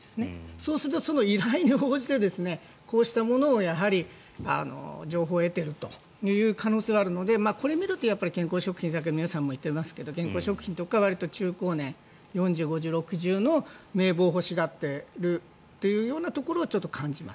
そうすると、その依頼に応じてこうしたものを情報を得ているという可能性はあるのでこれを見ると健康食品皆さんもさっきから言っていますが健康食品とか中高年４０、５０、６０の名簿を欲しがってるというところをちょっとあります。